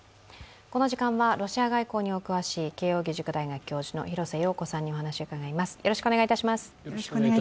この時間は、ロシア外交にお詳しい慶応義塾大学教授の廣瀬陽子さんにお話を伺います。